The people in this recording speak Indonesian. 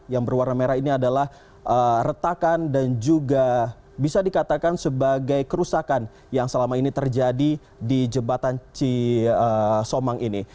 yang berwarna merah ini adalah retakan dan juga bisa dikatakan sebagai kerusakan yang selama ini terjadi di jembatan cisomang ini